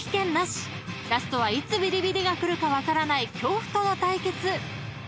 ［ラストはいつビリビリがくるか分からない恐怖との対決］